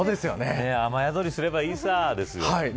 雨宿りすればいいさですよ。